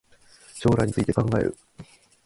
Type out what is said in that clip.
将来について考える